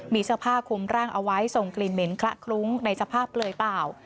มีเสื้อผ้าคุมร่างเอาไว้ส่งกลิ่นเหม็นคละคลุ้งในสภาพเปลือยเปล่า